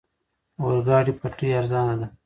اورګاډي پټلۍ ارزانه ده.